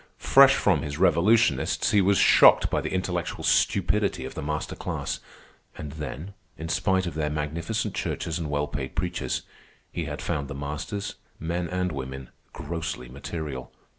Fresh from his revolutionists, he was shocked by the intellectual stupidity of the master class. And then, in spite of their magnificent churches and well paid preachers, he had found the masters, men and women, grossly material.